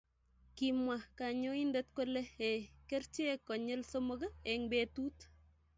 Kimwa kanyoindet kole ee kerchek konyil somok eng' betut